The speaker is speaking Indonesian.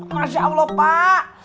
masya allah pak